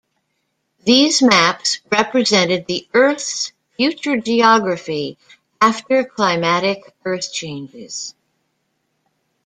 These maps represented the earth's future geography after climatic earth changes.